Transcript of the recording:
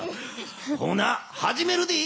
ほなはじめるで。